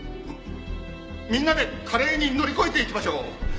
みんなで華麗に乗り越えていきましょう。